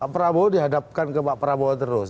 prabowo dihadapkan ke pak prabowo terus